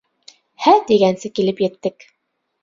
Һә тигәнсе килеп еттек.